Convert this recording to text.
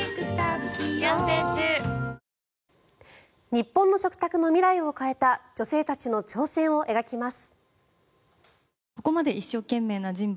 日本の食卓の未来を変えた女性たちの挑戦を描きます。